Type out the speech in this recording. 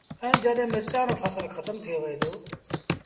ائيٚݩ جڏهيݩ مرچآݩ رو ڦسل کتم ٿئي وهي دو